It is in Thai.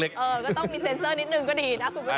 เออก็ต้องมีเซ็นเซอร์นิดนึงก็ดีนะคุณผู้ชม